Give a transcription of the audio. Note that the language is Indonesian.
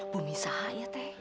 bumi sahaya teh